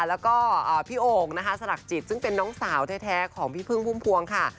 แล้วก็พี่โอ่งนะคะสลักจิตซึ่งเป็นน้องสาวแท้ของพี่พึ่งพุ่มพวงค่ะ